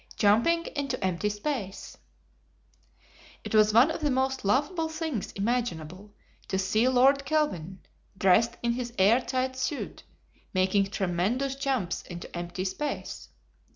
Jumping Into Empty Space. It was one of the most laughable things imaginable to see Lord Kelvin, dressed in his air tight suit, making tremendous jumps into empty space.